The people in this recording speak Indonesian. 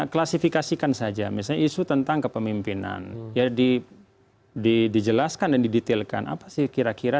klasifikasikan saja misal isu tentang kepemimpinan jadi dijelaskan dan didetailkan apa sih kira kira